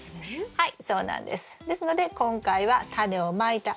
はい。